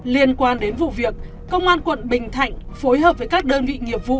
liên quan đến vụ việc công an quận bình thạnh phối hợp với các đơn vị nghiệp vụ